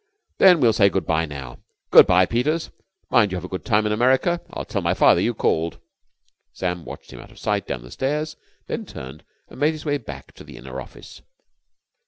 Then we'll say good bye now. Good bye, Peters. Mind you have a good time in America. I'll tell my father you called." Sam watched him out of sight down the stairs, then turned and made his way back to the inner office.